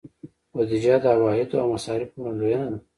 بودیجه د عوایدو او مصارفو وړاندوینه ده.